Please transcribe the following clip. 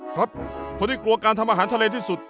คนที่กลัวการทำอาหารทะเลที่สุด